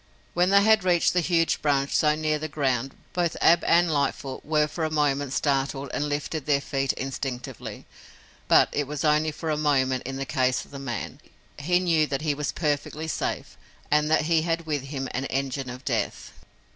When they had reached the huge branch so near the ground both Ab and Lightfoot were for a moment startled and lifted their feet instinctively, but it was only for a moment in the case of the man. He knew that he was perfectly safe and that he had with him an engine of death.